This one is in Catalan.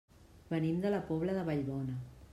Venim de la Pobla de Vallbona.